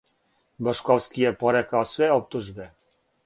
Бошковски је порекао све оптужбе.